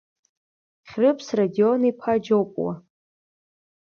Хьрыпс Радион-иԥа Џьопуа…